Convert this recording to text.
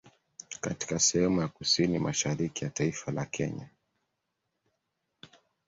Katika sehemu ya kusini mashariki ya taifa la Kenya